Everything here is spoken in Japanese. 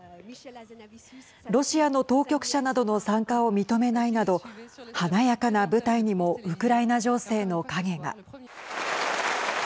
ロシアの当局者などの参加を認めないなど華やかな舞台にもウクライナ情勢の影が。